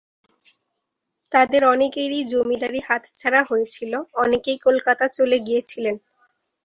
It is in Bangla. তাদের অনেকেরই জমিদারি হাতছাড়া হয়েছিল, অনেকেই কলকাতা চলে গিয়েছিলেন।